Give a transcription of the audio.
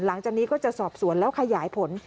หลังจากนี้ก็จะสอบสวนแล้วขยายผล